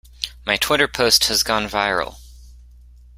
My Twitter post has gone viral.